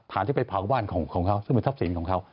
ที่ไปเผาบ้านของเขาซึ่งเป็นทรัพย์สินของเขา